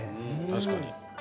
確かに。